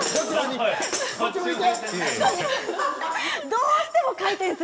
どうしても回転する。